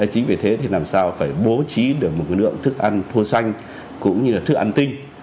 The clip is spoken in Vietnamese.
chính vì thế thì làm sao phải bố trí được một lượng thức ăn thua xanh cũng như là thức ăn tinh